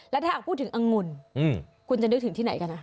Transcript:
แล้วถ้าหากพูดถึงอังุ่นคุณจะนึกถึงที่ไหนกันนะ